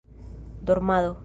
dormado